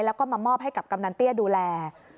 แล้วก็มามอบให้กับกำนันเตี้ยดูแล